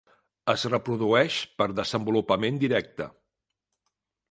Es reprodueix per desenvolupament directe.